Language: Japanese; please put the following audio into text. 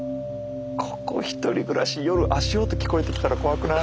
ここ１人暮らし夜足音聞こえてきたら怖くない？